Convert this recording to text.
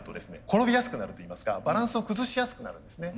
転びやすくなるといいますかバランスを崩しやすくなるんですね。